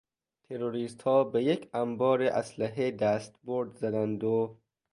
تروریستها به یک انبار اسلحه دستبرد زدند و...